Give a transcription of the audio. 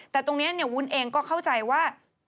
แต่ตรงนี้วุ้นเองก็เข้าใจว่า